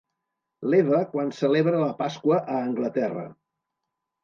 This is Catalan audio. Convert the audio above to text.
L'Eva quan celebra la Pasqua a Anglaterra.